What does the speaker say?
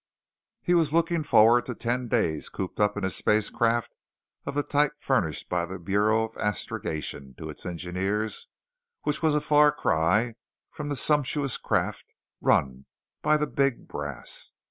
He was looking forward to ten days cooped up in a spacecraft of the type furnished by the Bureau of Astrogation to its engineers which was a far cry from the sumptuous craft run by the Big Brass.